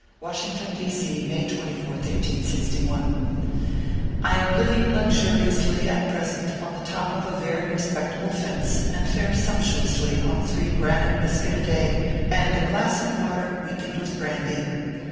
WASHINGTON, D. C., May 24th, 1861. I AM living luxuriously, at present, on the top of a very respectable fence, and fare sumptuously on three granite biscuit a day, and a glass of water, weakened with brandy.